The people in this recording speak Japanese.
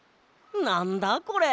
なんだこれ？